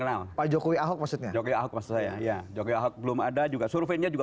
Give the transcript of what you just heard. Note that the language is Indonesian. kenal pak jokowi ahok maksudnya jokowi ahok maksud saya ya jokowi ahok belum ada juga surveinya juga